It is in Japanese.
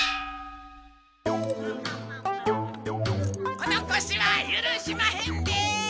・おのこしはゆるしまへんで！